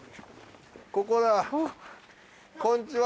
ここだこんにちは。